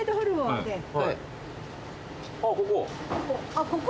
あっここ？